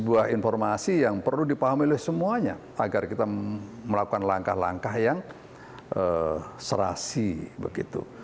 sebuah informasi yang perlu dipahami oleh semuanya agar kita melakukan langkah langkah yang serasi begitu